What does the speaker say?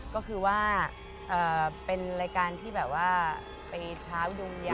ก็คือว่าเป็นรายการที่แบบว่าไปท้าดวงยา